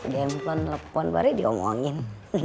demplon telepon baru diomongin